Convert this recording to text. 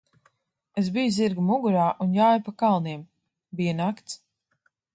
Es biju zirga mugurā un jāju pa kalniem. Bija nakts.